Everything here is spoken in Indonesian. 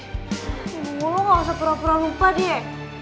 hidung lo ga usah pura pura lupa die